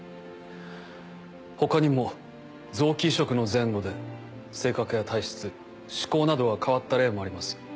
他にも臓器移植の前後で性格や体質嗜好などが変わった例もあります。